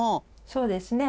そうですね。